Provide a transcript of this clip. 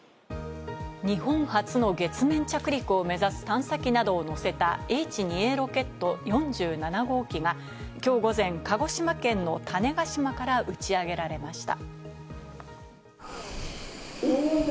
日本初の月面着陸を目指す探査機などを載せたＨ２Ａロケット４７号機がきょう午前、鹿児島県の種子島から打ち上げられました。